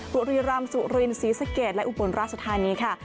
บุรีรำสุรินศรีสะเกดและอุบลราชธานีค่ะ